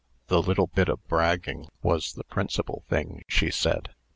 The little bit of bragging was the principal thing, she said.